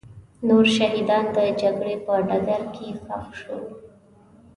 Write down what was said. نور شهیدان د جګړې په ډګر کې ښخ شول.